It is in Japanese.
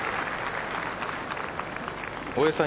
大江さん。